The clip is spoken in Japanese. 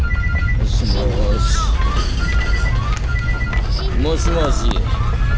もしもし？もしもし？